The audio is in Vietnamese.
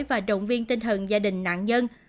và động viên tinh thần gia đình nạn nhân